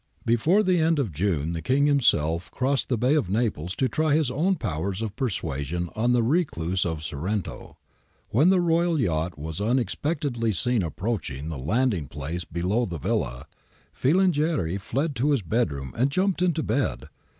^ Before the end of June the King himself crossed the Bay of Naples to try his own powers of persuasion on the recluse of Sorrento. When the royal yacht was un expectedly seen approaching the landing place below the villa, Filangieri fled to his bedroom and jumped into bed.